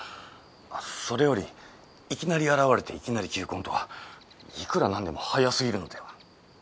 あっそれよりいきなり現れていきなり求婚とはいくらなんでも早すぎるのでは？